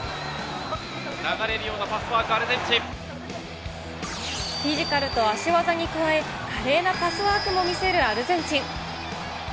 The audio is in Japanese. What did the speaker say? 流れるようなパスワーク、フィジカルと足技に加え、華麗なパスワークも見せるアルゼンチン。